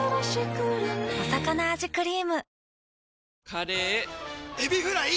カレーエビフライ！